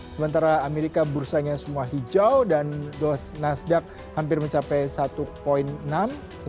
sementara amerika bursanya semua hijau dan dos nasdaq hampir mencapai satu enam